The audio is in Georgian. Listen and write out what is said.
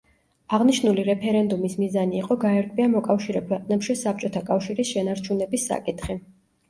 აღნიშნული რეფერენდუმის მიზანი იყო გაერკვია მოკავშირე ქვეყნებში საბჭოთა კავშირის შენარჩუნების საკითხი.